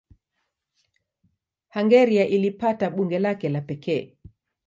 Hungaria ilipata bunge lake la pekee.